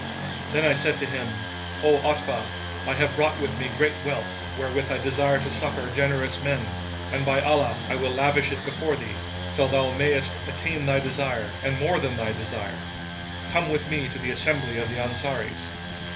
Then said I to him, "O Otbah, I have brought with me great wealth, wherewith I desire to succour generous men; and by Allah, I will lavish it before thee,[FN#87] so thou mayst attain thy desire and more than thy desire! Come with me to the assembly of the Ansaris."